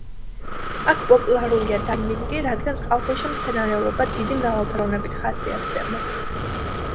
აქ პოპულარულია დაივინგი, რადგან წყალქვეშა მცენარეულობა დიდი მრავალფეროვნებით ხასიათდება.